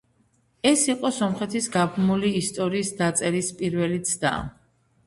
ეს იყო სომხეთის გაბმული ისტორიის დაწერის პირველი ცდა.